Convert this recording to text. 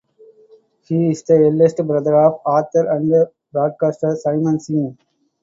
He is the eldest brother of author and broadcaster Simon Singh.